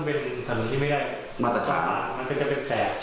เบาะรมันก็แปลก